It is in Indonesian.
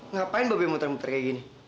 ngapain baby muter muter kayak gini